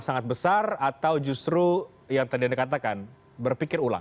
sangat besar atau justru yang tadi anda katakan berpikir ulang